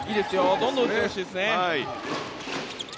どんどん打ってほしいですね。